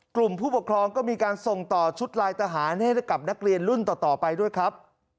ผู้ปกครองก็มีการส่งต่อชุดลายทหารให้กับนักเรียนรุ่นต่อไปด้วยครับ